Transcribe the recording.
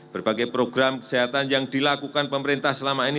berbagai program kesehatan yang dilakukan pemerintah selama ini